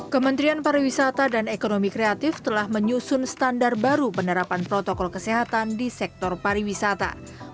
kementerian pariwisata dan ekonomi kreatif telah menyusun standar baru penerapan protokol kesehatan di sektor pariwisata